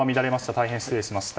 大変失礼しました。